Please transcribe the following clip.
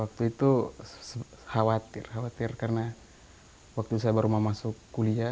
waktu itu khawatir khawatir karena waktu saya baru mau masuk kuliah